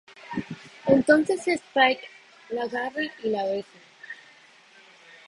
Entonces Spike la agarra y la besa.